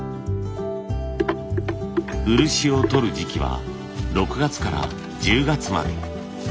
漆をとる時期は６月から１０月まで。